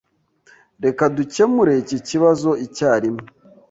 Reka dukemure iki kibazo icyarimwe.